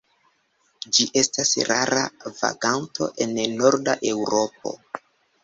Ĝi estas rara vaganto en norda Eŭropo.